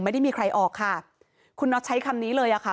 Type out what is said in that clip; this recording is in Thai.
ไม่ได้มีใครออกค่ะคุณน็อตใช้คำนี้เลยอ่ะค่ะ